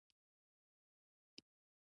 هر انسان باید خپل فرهنګ وپېژني.